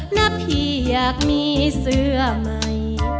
นะพี่อยากมีเสื้อใหม่